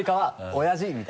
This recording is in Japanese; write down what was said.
「おやじ」だ。